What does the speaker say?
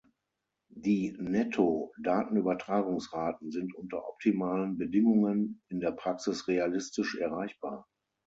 Die "Netto-Datenübertragungsraten" sind unter optimalen Bedingungen in der Praxis realistisch erreichbar.